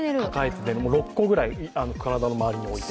６個ぐらい、体の周りに置いて。